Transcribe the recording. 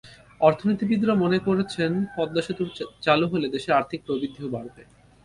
অর্থনীতিবিদেরা মনে করছেন, পদ্মা সেতু চালু হলে দেশের আর্থিক প্রবৃদ্ধিও বাড়বে।